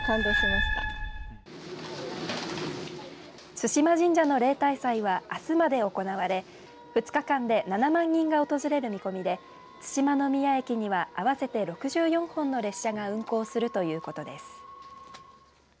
津嶋神社の例大祭はあすまで行われ２日間で７万人が訪れる見込みで津島ノ宮駅には合わせて６４本の列車が運行するということです。